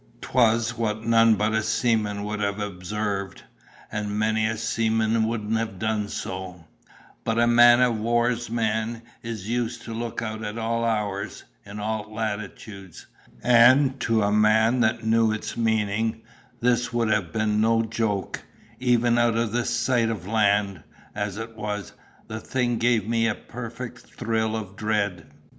"'Twas what none but a seaman would have observed, and many a seaman wouldn't have done so—but a man o war's man is used to look out at all hours, in all latitudes—and to a man that knew its meaning, this would have been no joke, even out of sight of land; as it was, the thing gave me a perfect thrill of dread.